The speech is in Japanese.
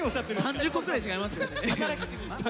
３０個くらい違いますよね。